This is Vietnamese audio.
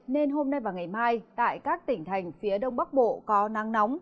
nên hôm nay và ngày mai tại các tỉnh thành phía đông bắc bộ có nắng nóng